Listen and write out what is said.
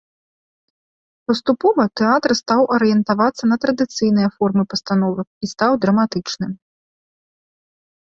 Паступова тэатр стаў арыентавацца на традыцыйныя формы пастановак і стаў драматычным.